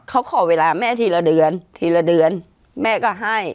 เขาขอเวลาแม่ทีละเดือนทีละเดือนแม่ก็ให้